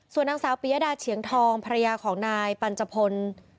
ส่วนนางสาวปียดาเฉียงทองภรรยาของนายปัญจพล